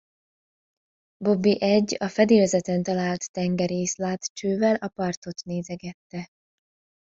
Bobby egy, a fedélzeten talált tengerészlátcsővel a partot nézegette.